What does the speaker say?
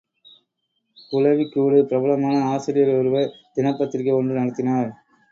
குளவிக் கூடு பிரபலமான ஆசிரியர் ஒருவர் தினப் பத்திரிகை ஒன்று நடத்தினார்.